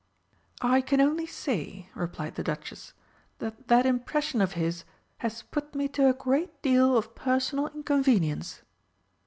"I can only say," replied the Duchess, "that that impression of his has put me to a great deal of personal inconvenience."